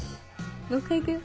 もう一回行くよ。